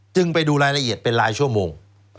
ไปดูรายละเอียดเป็นรายชั่วโมง